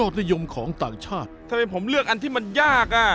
ทำไมผมเลือกอันที่มันยาก